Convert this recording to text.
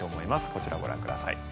こちらをご覧ください。